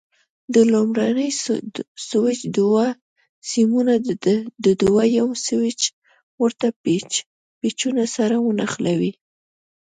د لومړني سویچ دوه سیمونه د دوه یم سویچ ورته پېچونو سره ونښلوئ.